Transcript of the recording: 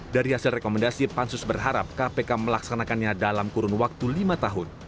dari hasil rekomendasi pansus berharap kpk melaksanakannya dalam kurun waktu lima tahun